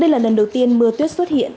đây là lần đầu tiên mưa tuyết xuất hiện